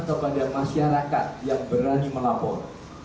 kepada masyarakat yang berani melapor